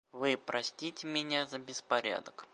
Вы простите меня за беспорядок.